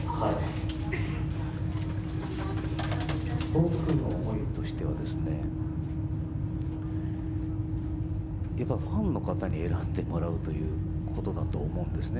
僕の思いとしてはファンの方に選んでもらうということだと思うんですね